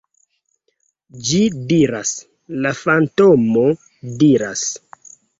Ĝi diras, la fantomo diras